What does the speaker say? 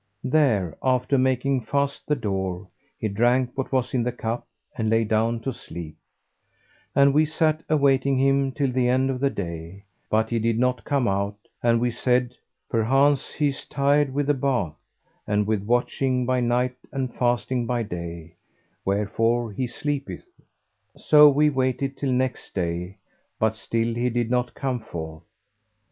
There, after making fast the door, he drank what was in the cup and lay down to sleep; and we sat awaiting him till the end of the day, but he did not come out and we said, 'Perchance he is tired with the bath and with watching by night and fasting by day; wherefore he sleepeth.' So we waited till next day; but still he did not come forth.